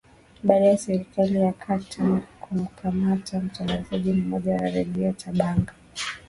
baada ya serikali ya khartum kumkamata mtangazaji mmoja wa redio tabanga